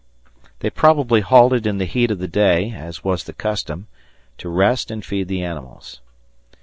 They probably halted in the heat of the day as was the custom, to rest and feed the animals.